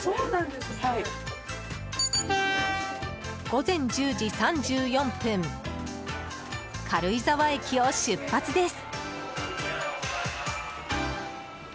午前１０時３４分軽井沢駅を出発です。